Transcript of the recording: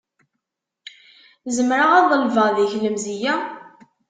Zemreɣ ad ḍelbeɣ deg-k lemzeyya?